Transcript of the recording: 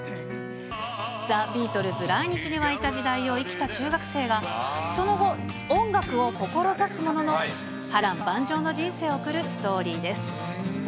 ザ・ビートルズ来日に沸いた時代を生きた中学生が、その後、音楽を志すものの、波乱万丈の人生を送るストーリーです。